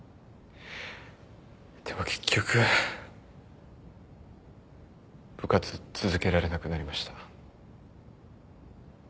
でも結局部活続けられなくなりました。